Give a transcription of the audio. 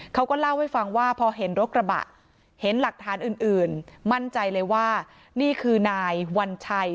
เขาก็เล่าให้ฟังว่าพอเห็นรถกระบะเห็นหลักฐานอื่นมั่นใจเลยว่านี่คือนายวัญชัย